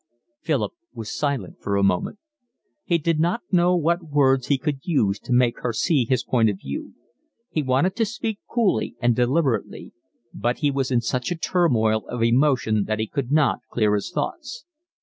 Philip was silent for a moment. He did not know what words he could use to make her see his point of view. He wanted to speak coolly and deliberately, but he was in such a turmoil of emotion that he could not clear his thoughts.